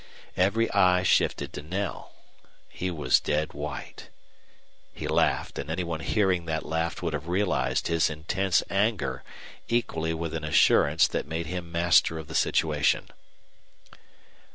Every eye shifted to Knell. He was dead white. He laughed, and any one hearing that laugh would have realized his intense anger equally with an assurance which made him master of the situation.